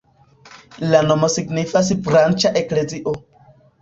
La nomo signifas branĉa-eklezio.